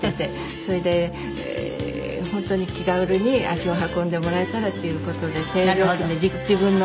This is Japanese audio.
それで本当に気軽に足を運んでもらえたら。